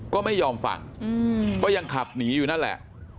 ก็ไม่ยอมฟังก็ยังขับหนีอยู่นั่นแหละ